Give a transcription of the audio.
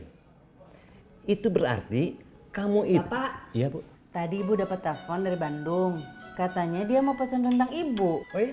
hai itu berarti kamu itu tadi bu dapet telepon dari bandung katanya dia mau pesen rendang ibu